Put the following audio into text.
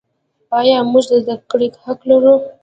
آیا موږ د زده کړې حق نلرو؟